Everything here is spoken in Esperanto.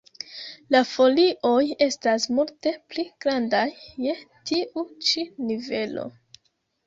La folioj estas multe pli grandaj je tiu ĉi nivelo.